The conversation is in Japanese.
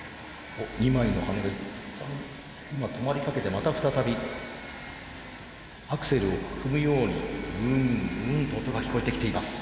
２枚の羽根が一旦今止まりかけてまた再びアクセルを踏むようにウンウンと音が聞こえてきています。